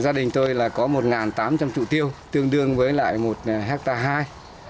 gia đình tôi là có một tám trăm linh trụ tiêu tương đương với lại một hectare hai